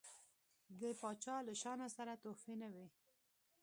د پاچا له شانه سره تحفې نه وي.